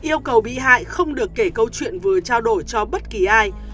yêu cầu bị hại không được kể câu chuyện vừa trao đổi cho bất kỳ ai